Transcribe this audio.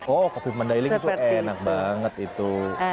oh kopi mandailing itu enak banget itu